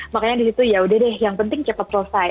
makanya disitu yaudah deh yang penting cepat selesai